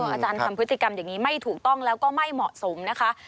อาจารย์ทำพฤติกรรมอย่างนี้ไม่ถูกต้องแล้วก็ไม่เหมาะสมนะคะ